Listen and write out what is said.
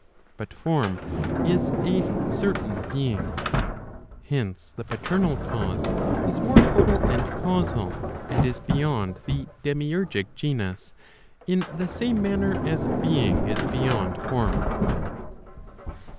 But form is a certain being.* Hence the paternal cause is more total and causal, and is beyond the demiurgic genus, in the same manner as being is beyond form.